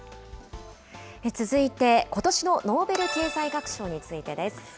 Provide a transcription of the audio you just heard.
続いて、ことしのノーベル経済学賞についてです。